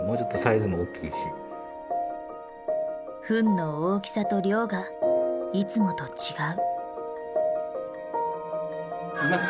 糞の大きさと量がいつもと違う。